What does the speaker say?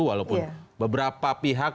walaupun beberapa pihak